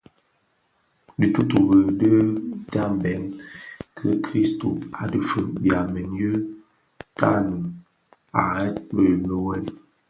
Dhitutubi di ka dhembèn bi- kristus a dhifeg byamèn yë tannum a bheg nloghèn.